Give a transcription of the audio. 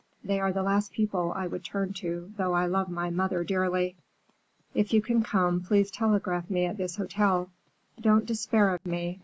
They are the last people I would turn to, though I love my mother dearly. If you can come, please telegraph me at this hotel. Don't despair of me.